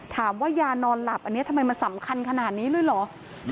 ถามว่ายานอนหลับอันนี้ทำไมมันสำคัญขนาดนี้เลยเหรอ